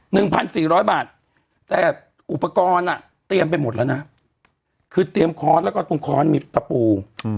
หนึ่งพันสี่ร้อยบาทแต่อุปกรณ์อ่ะเตรียมไปหมดแล้วนะคือเตรียมค้อนแล้วก็ตรงค้อนมีตะปูอืม